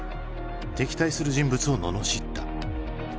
敵対する人物を罵った。